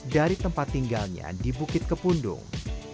dari tempat tinggalnya di bukit kepundung